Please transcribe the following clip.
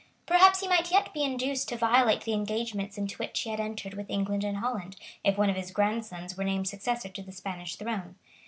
Perhaps he might yet be induced to violate the engagements into which he had entered with England and Holland, if one of his grandsons were named successor to the Spanish throne.